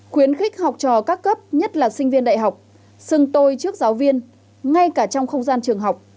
khuyến khích học trò các cấp nhất là sinh viên đại học sưng tôi trước giáo viên ngay cả trong không gian trường học